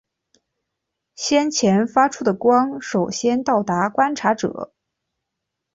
先前发出的光首先到达观察者。